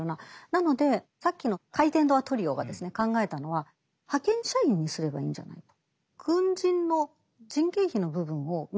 なのでさっきの回転ドアトリオが考えたのは派遣社員にすればいいんじゃないと。